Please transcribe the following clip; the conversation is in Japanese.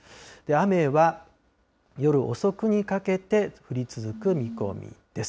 雨は夜遅くにかけて降り続く見込みです。